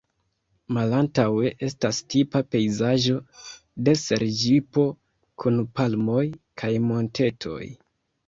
Malantaŭe estas tipa pejzaĝo de Serĝipo, kun palmoj kaj montetoj.